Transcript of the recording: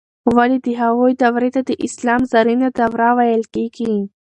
ولې د هغوی دورې ته د اسلام زرینه دوره ویل کیږي؟